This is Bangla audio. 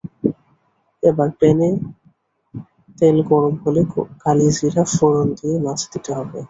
এবার প্যানে তেল গরম হলে কালিজিরা ফোড়ন দিয়ে মাছ দিতে হবে।